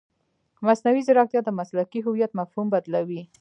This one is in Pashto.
مصنوعي ځیرکتیا د مسلکي هویت مفهوم بدلوي.